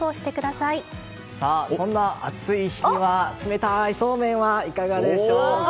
さあ、そんな暑い日には冷たいそうめんはいかがでしょう。